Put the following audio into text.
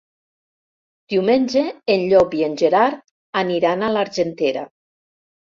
Diumenge en Llop i en Gerard aniran a l'Argentera.